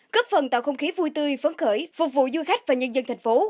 cấp phần tạo không khí vui tươi phấn khởi phục vụ du khách và nhân dân thành phố